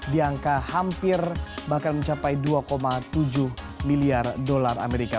di angka hampir bahkan mencapai dua tujuh miliar dolar amerika